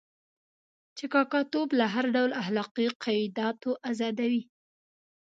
چې کاکه توب له هر ډول اخلاقي قیوداتو آزادوي.